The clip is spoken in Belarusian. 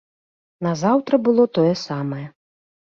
Назаўтра было тое самае.